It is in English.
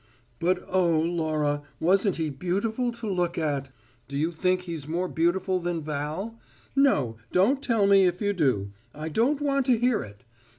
"But, oh, Laura, wasn't he beautiful to look at! Do you think he's more beautiful than Val? No don't tell me if you do. I don't want to hear it!